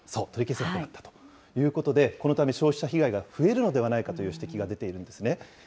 取り消せなくなったということで、このため、消費者被害が増えるのではないかという指摘が出ているんですね。